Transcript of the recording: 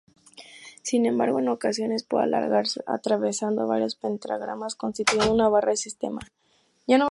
Sin embargo, en ocasiones puede alargarse atravesando varios pentagramas constituyendo una barra de sistema.